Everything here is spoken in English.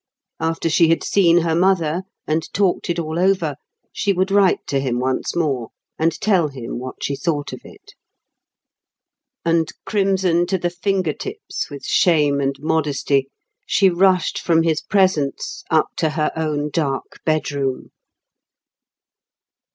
After she had seen her mother and talked it all over, she would write to him once more, and tell him what she thought of it. And, crimson to the finger tips with shame and modesty, she rushed from his presence up to her own dark bedroom.